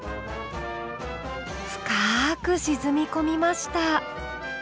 深く沈み込みました。